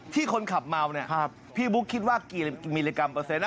ที่คนขับเมาเนี่ยพี่บุ๊กคิดว่ากี่มิลลิกรัมเปอร์เซ็น